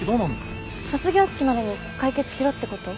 卒業式までに解決しろってこと？